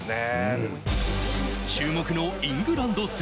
注目のイングランド戦。